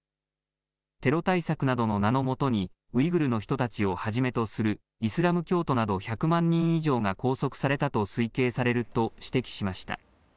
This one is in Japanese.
テロ対策などの名のもとにウイグルの人たちをはじめとするイスラム教徒など１００万人以上が拘束されたと推計されると指摘しました。